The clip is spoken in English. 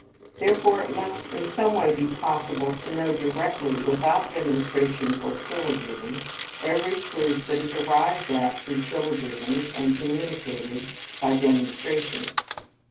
Therefore it must in some way be possible to know directly without demonstrations or syllogisms every truth that is arrived at through syllogisms and communicated by demonstrations.